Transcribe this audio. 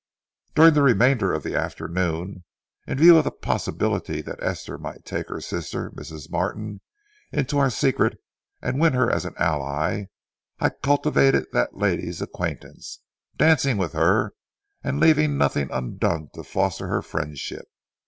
During the remainder of the afternoon, in view of the possibility that Esther might take her sister, Mrs. Martin, into our secret and win her as an ally, I cultivated that lady's acquaintance, dancing with her and leaving nothing undone to foster her friendship.